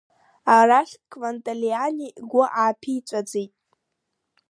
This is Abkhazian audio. Арахь Кванталиани игәы ааԥиҵәаӡеит.